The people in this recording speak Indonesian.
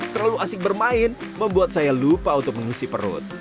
terlalu asik bermain membuat saya lupa untuk mengisi perut